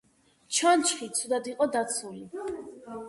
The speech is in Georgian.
ჩონჩხი ცუდად იყო დაცული.